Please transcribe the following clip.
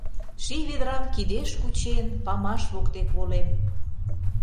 Ший ведрам кидеш кучен, памаш воктек волем.